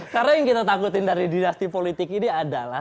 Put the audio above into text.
karena yang kita takutin dari dinasti politik ini adalah